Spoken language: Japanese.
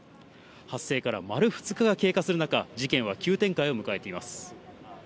発生から丸２日が経過する中、事件は急展開を迎えています。